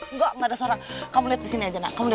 nggak nggak ada suara kamu lihat kesini aja nak